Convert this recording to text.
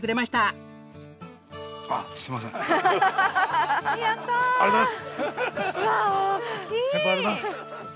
先輩ありがとうございます。